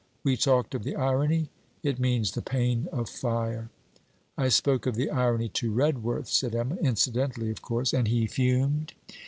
We talked of the irony. It means, the pain of fire.' 'I spoke of the irony to Redworth,' said Emma; 'incidentally, of course.' 'And he fumed?'